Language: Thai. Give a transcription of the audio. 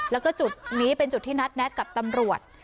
แล้วก็จุดนี้เป็นจุดที่นัดแน็ตกับตำรวจ